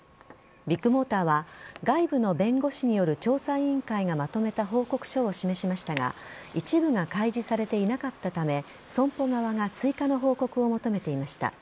ビッグモーターは外部の弁護士による調査委員会がまとめた報告書を示しましたが一部が開示されていなかったため損保側が追加の報告を求めていました。